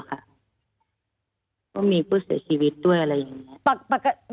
ก็มีผู้เสียชีวิตด้วยอะไรอย่างนี้